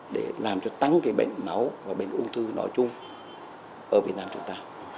để làm cho tăng cái bệnh máu và bệnh ung thư nói chung ở việt nam chúng ta